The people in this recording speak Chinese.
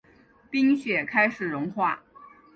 冰雪开始融化